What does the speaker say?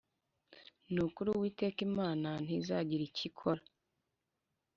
Ni ukuri Uwiteka Imana ntizagira icyo ikora